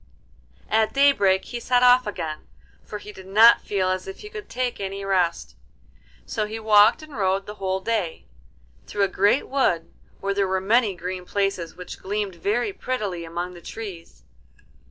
At daybreak he set off again, for he did not feel as if he could take any rest. So he walked and rode the whole day, through a great wood where there were many green places which gleamed very prettily among the trees.